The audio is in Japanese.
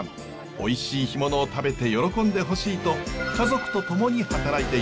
おいしい干物を食べて喜んでほしいと家族と共に働いています。